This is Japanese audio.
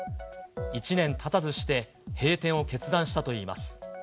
１年たたずして、閉店を決断したといいます。